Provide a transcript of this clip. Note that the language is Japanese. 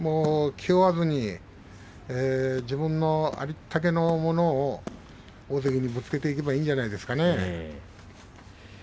気負わずに自分のありったけのものを大関にぶつけていけばいいんじゃないですかね。